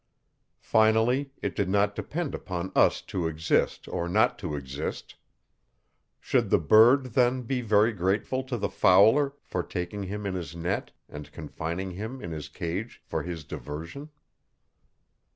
Finally, it did not depend upon us to exist or not to exist. Should the bird then be very grateful to the fowler for taking him in his net and confining him in his cage for his diversion?